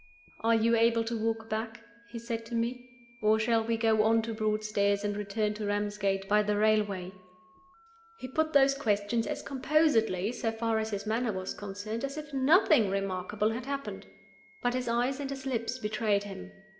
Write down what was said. "Are you able to walk back?" he said to me. "Or shall we go on to Broadstairs, and return to Ramsgate by the railway?" He put those questions as composedly, so far as his manner was concerned, as if nothing remarkable had happened. But his eyes and his lips betrayed him.